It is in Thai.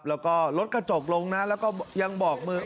แล้วก็รถกระจกลงนะแล้วก็ยังบอกมือ